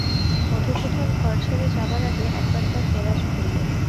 মধুসূদন ঘর ছেড়ে যাবার আগে একবার তার দেরাজ খুললে।